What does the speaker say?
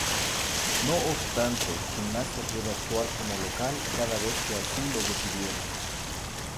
No obstante, Gimnasia puede actuar como local cada vez que así lo decidiera.